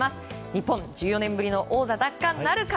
日本、１４年ぶりの王座奪還なるか。